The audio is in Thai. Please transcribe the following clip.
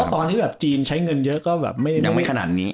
ตอนนี้จีนใช้เงินเยอะก็ยังมีขนาดงี้